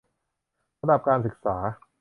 ระดับการศึกษา